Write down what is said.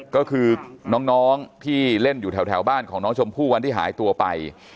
ก็คือน้องที่เล่นอยู่แถวบ้านของน้องชมพู่วันที่หายตัวไป